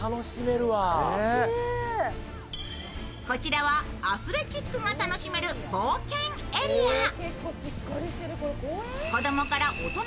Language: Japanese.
こちらはアスレチックが楽しめる冒険エリア。